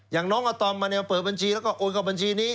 อย่างน้องอาตอมมาเนี่ยเปิดบัญชีแล้วก็โอนเข้าบัญชีนี้